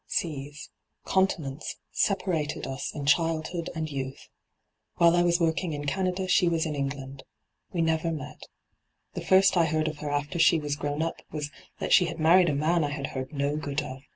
Seaa, continents, separated us in childhood and youth. While I was working in Canada she was in England. We never met. The first I heard of her after she was grown up was that she had married a man I had heard no good of.